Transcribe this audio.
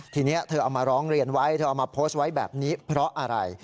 ทีนี้เธอเอามาร้องเรียนไว้เธอเอามาโพสต์ไว้แบบนี้เพราะอะไร